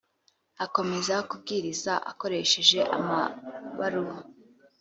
akomeza kubwiriza akoresheje amabaruwa